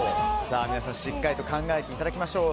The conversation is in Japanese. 皆さんしっかりと考えていただきましょう。